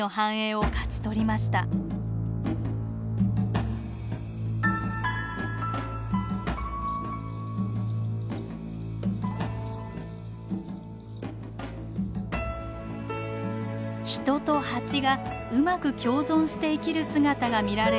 人とハチがうまく共存して生きる姿が見られるカメルーン。